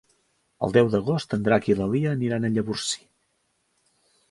El deu d'agost en Drac i na Lia aniran a Llavorsí.